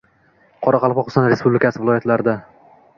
Qoraqalpog‘iston Respublikasida, viloyatlarda